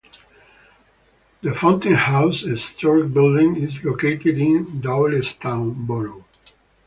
The Fountain House, a historic building, is located in Doylestown Borough.